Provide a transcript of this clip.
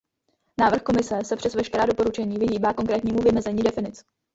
Návrh Komise se přes veškerá doporučení vyhýbá konkrétnímu vymezení definic.